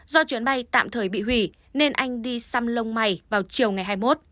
do chuyến bay tạm thời bị hủy nên anh đi xăm lông mày vào chiều ngày hai mươi một